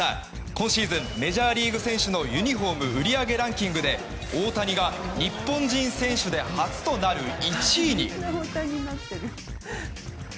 今シーズンメジャーリーグ選手のユニホーム売上ランキングで大谷が日本人選手で初となる１位に。